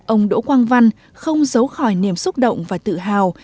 ông đỗ quang văn không giấu khỏi niềm xúc động và tự hào